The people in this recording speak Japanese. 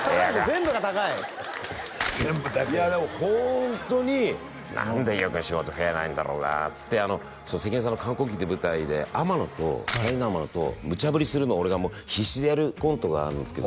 全部が高いいやでもホントに何で飯尾君仕事増えないんだろうなっつって関根さんの「カンコンキン」って舞台で天野とキャインの天野とむちゃ振りするのを俺がもう必死でやるコントがあるんですけど